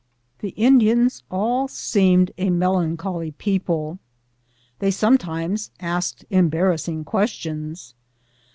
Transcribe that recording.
The Indians all seemed a melancholy people. They sometimes ask embarrassing questions.